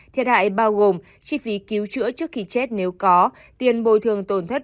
thiệt hại bao gồm chi phí cứu chữa trước khi chết nếu có tiền bồi thường tổn thất